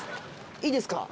いいですか？